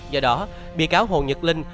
do đó vị cáo hồ nhật linh